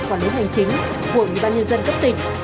quản lý hành chính của ubnd cấp tỉnh